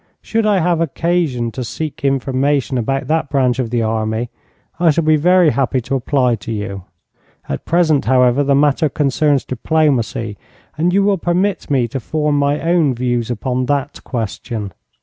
Should I have occasion to seek information about that branch of the army, I shall be very happy to apply to you. At present, however, the matter concerns diplomacy, and you will permit me to form my own views upon that question.